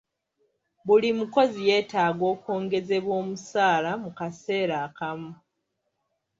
Buli mukozi yeetaaga okwongezebwa omusaala mu kaseera akamu.